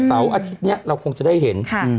เสาร์อาทิตย์นี้เราคงจะได้เห็น